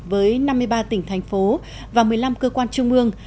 với năm mươi ba tỉnh thành phố và một mươi năm cơ quan trung ương